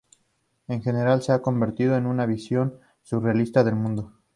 En general, se ha convertido en una visión surrealista del mundo.